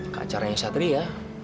ke acaranya satria